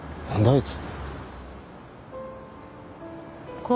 あいつ。